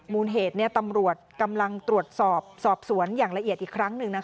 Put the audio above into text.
มูลเหตุตำรวจกำลังตรวจสอบสอบสวนอย่างละเอียดอีกครั้งหนึ่ง